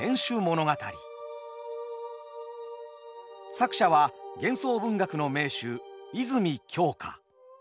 作者は幻想文学の名手泉鏡花。